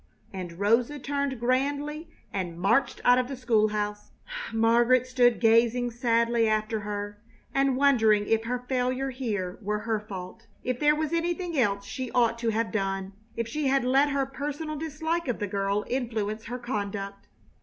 And Rosa turned grandly and marched out of the school house. Margaret stood gazing sadly after her and wondering if her failure here were her fault if there was anything else she ought to have done if she had let her personal dislike of the girl influence her conduct.